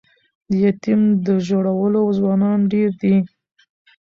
د یتیم د ژړولو ځوانان ډیر دي